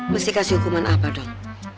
mesti kasih hukuman apa dong